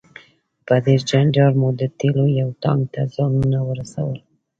په ډیر جنجال مو د تیلو یو ټانک ته ځانونه ورسول.